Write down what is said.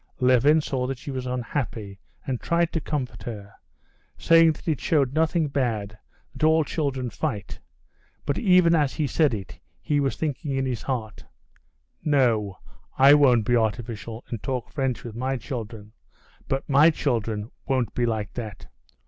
Levin saw she was unhappy and tried to comfort her, saying that it showed nothing bad, that all children fight; but, even as he said it, he was thinking in his heart: "No, I won't be artificial and talk French with my children; but my children won't be like that.